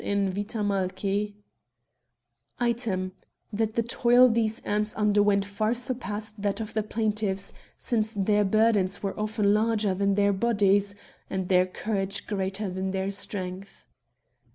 in Vita Malcht), ^^ Item, That the toil these ants underwent far surpassed that of the plaintiffs, since their burdens were often larger than their bodies, and their courage greater than their, strength.